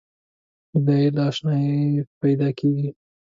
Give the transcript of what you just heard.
جدایي له اشناییه پیداکیږي.